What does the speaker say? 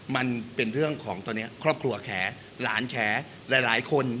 มันเป็นเรื่องของตอนนี้ครอบครัวแขหลานแขหลายคน